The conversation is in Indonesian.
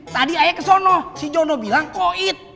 tadi ayah kesono si jono bilang kohit